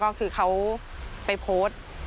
ก็คือเขาไปโพสต์